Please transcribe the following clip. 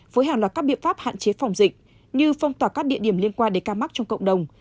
với hàng loạt các biện pháp hạn chế phòng dịch như phong tỏa các địa điểm liên quan đến ca mắc trong cộng đồng